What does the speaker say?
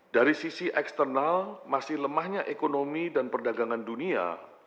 dari sisi eksternal masih lemahnya ekonomi dan perdagangan dunia